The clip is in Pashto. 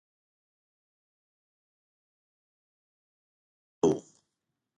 د ازموینې تر پایه یې په خپلو کورونو کې خدمت کوو.